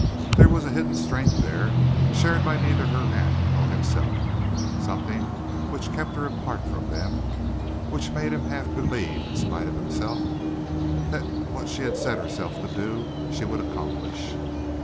There was a hidden strength there, shared by neither her aunt nor himself, something which kept her apart from them, which made him half believe, in spite of himself, that what she set herself to do she would accomplish.